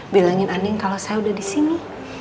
bilangin anding kalau saya udah di sini